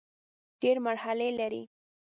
ډېري مرحلې لري .